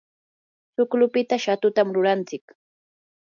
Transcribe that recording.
chuklupita shatutam rurantsik.